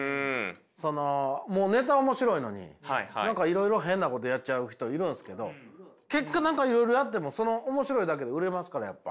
そのネタは面白いのに何かいろいろ変なことやっちゃう人いるんですけど結果いろいろやっても面白いだけで売れますからやっぱ。